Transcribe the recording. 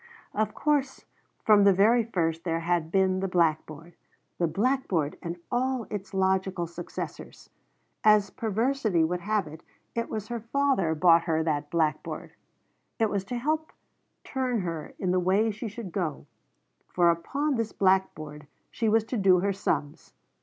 Of course from the very first there had been the blackboard the blackboard and all its logical successors. As perversity would have it, it was her father bought her that blackboard. It was to help turn her in the way she should go, for upon this blackboard she was to do her sums.